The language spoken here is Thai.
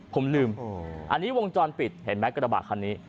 ผมลืมอันนี้วงจรปิดเห็นไหมกระบะคันนี้